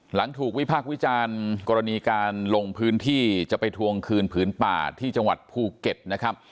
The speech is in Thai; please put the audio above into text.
หลังถูกวิพากษ์วิจารณ์กรณีการลงพื้นที่จะไปทวงคืนผืนป่าที่จังหวัดภูเก็ตนะครับ